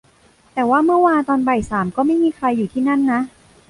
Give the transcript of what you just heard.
แต่ว่าเมื่อวานตอนบ่ายสามก็ไม่มีใครอยู่ที่นั่นนะ